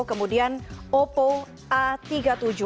kemudian oppo a tiga puluh tujuh